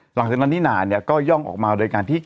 หลังจากนั้นนิน่าเนี่ยก็ย่องออกมาโดยการที่